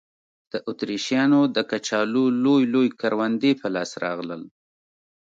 د اتریشیانو د کچالو لوی لوی کروندې په لاس راغلل.